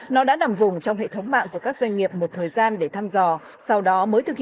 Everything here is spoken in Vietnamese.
nó đã nằm vùng trong hệ thống mạng của các doanh nghiệp một thời gian để thăm dò